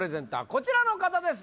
こちらの方です